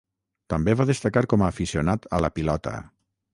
També va destacar com a aficionat a la Pilota.